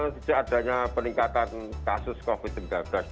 sejak adanya peningkatan kasus covid sembilan belas di sleman